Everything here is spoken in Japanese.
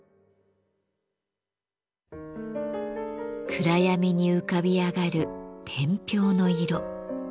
暗闇に浮かび上がる天平の色。